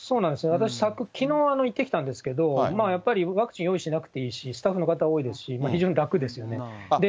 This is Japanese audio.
私、きのう行ってきたんですけど、やっぱりワクチン用意しなくていいし、スタッフの方は多いですし、非常に楽ですよね。